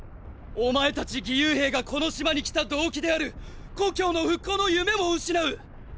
お前たち義勇兵がこの島に来た動機である故郷の復興の夢も失う！！